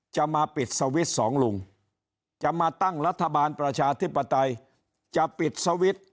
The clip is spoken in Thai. จะมาปิดสวิทช์สองลุงจะมาตั้งรัฐบาลประชาธิปไตย